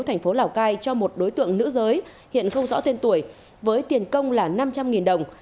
thành phố lào cai cho một đối tượng nữ giới hiện không rõ tên tuổi với tiền công là năm trăm linh đồng